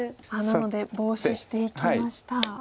なのでボウシしていきました。